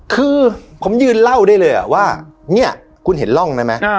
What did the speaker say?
คือผมยืนเล่าได้เลยว่าเนี่ยคุณเห็นร่องได้ไหม